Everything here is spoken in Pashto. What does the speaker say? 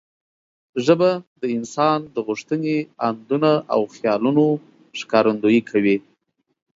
ژبه د انسان د غوښتنې، اندونه او خیالونو ښکارندويي کوي.